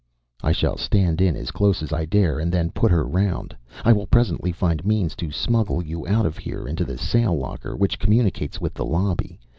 "I shall stand in as close as I dare and then put her round. I will presently find means to smuggle you out of here into the sail locker, which communicates with the lobby.